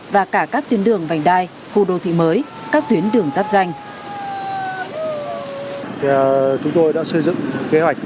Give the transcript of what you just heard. và cả các tuyến đường vành đai khu đô thị mới các tuyến đường giáp danh